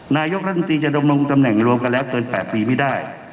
นายกรัฐมนตรีจะดำรงตำแหน่งรวมกันแล้วเกิน๘ปีไม่ได้